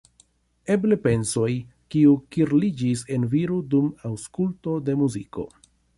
Eble pensoj, kiuj kirliĝis en viro dum aŭskulto de muziko.